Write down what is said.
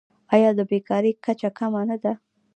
آیا د بیکارۍ کچه کمه نه ده؟